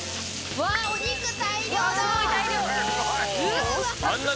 わぁお肉大量だ！